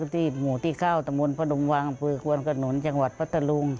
ที่หมู่ที่๙ตมพระดุงวังฝืนกวนกระหนุนจังหวัดพระตะลุง